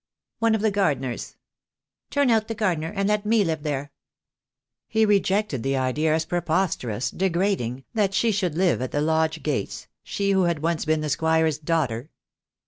"One of the gardeners." "Turn out the gardener and let me live there." He rejected the idea as preposterous, degrading, that she should live at the lodge gates, she who had once been the Squire's daughter.